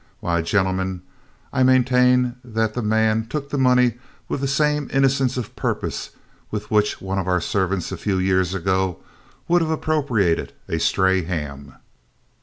Why, gentlemen, I maintain that that man took that money with the same innocence of purpose with which one of our servants a few years ago would have appropriated a stray ham."